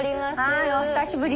はいお久しぶり。